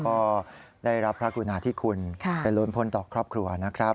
ก็ได้รับพระกุณาธิคุณไปลุ้นพลต่อครอบครัวนะครับ